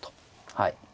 はい。